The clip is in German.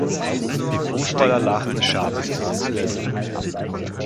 Die Fußballer lachten schadenfroh.